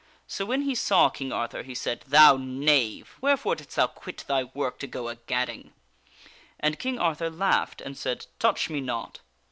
So when he saw King Arthur he said :" Thou knave ! where fore didst thou quit thy work to go a gadding ?" And King Arthur laughed and said :" Touch me not."